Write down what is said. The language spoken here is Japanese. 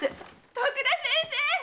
徳田先生！